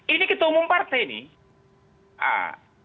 ini ketumum partai nih